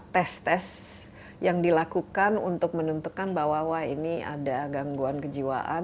tes tes yang dilakukan untuk menentukan bahwa ini ada gangguan kejiwaan